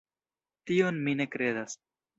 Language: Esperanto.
Tion mi ne kredas.